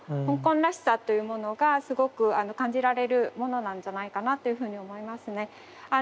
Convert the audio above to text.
香港らしさというものがすごく感じられるものなんじゃないかなっていうふうに思いますね。